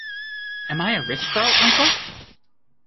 Am I a rich girl, uncle?